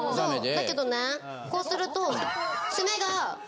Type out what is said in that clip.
だけどねこうすると。